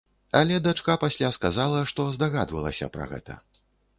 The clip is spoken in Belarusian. Але дачка пасля сказала, што здагадвалася пра гэта.